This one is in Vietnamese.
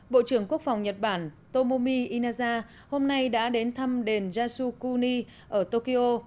bộ trưởng quốc phòng nhật bản tomomi inaza hôm nay đã đến thăm đền jasukuni ở tokyo